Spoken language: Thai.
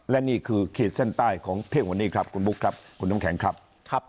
และนี่คือขีดเส้นใต้ของเที่ยงวันนี้ครับคุณบุ๊คครับคุณน้ำแข็งครับ